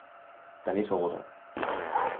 Then he told her.